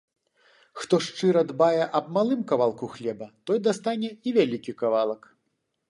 Хто шчыра дбае аб малым кавалку хлеба, той дастане і вялікі кавалак.